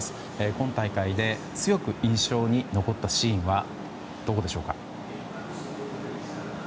今大会で強く印象に残ったシーンはどこでしょうか。